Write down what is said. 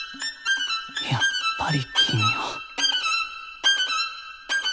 やっぱり君は。